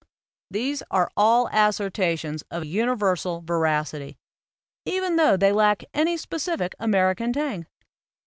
These are all assertions of universal veracity, even tho they lack any specific American tang.